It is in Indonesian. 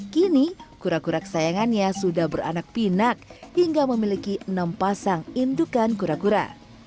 kini kura kura kesayangannya sudah beranak pinak hingga memiliki enam pasang indukan kura kura